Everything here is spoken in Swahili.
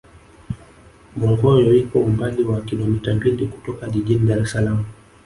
bongoyo ipo umbali wa kilomita mbili kutoka jijini dar es salaam